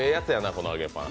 この揚げパン。